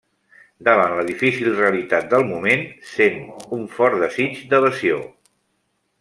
Davant la difícil realitat del moment, sent un fort desig d'evasió.